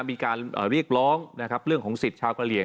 มีการเรียกล้องเรื่องของสิทธิ์ชาวกระเหลี่ยง